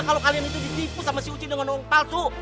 kalau kalian itu ditipu sama si uci dengan uang palsu